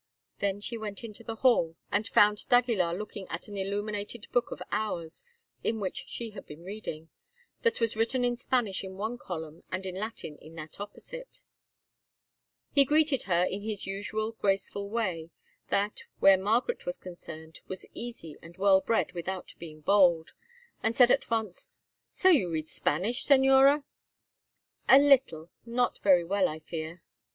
Then she went into the hall, and found d'Aguilar looking at an illuminated Book of Hours in which she had been reading, that was written in Spanish in one column and in Latin in that opposite. He greeted her in his usual graceful way, that, where Margaret was concerned, was easy and well bred without being bold, and said at once: "So you read Spanish, Señora?" "A little. Not very well, I fear."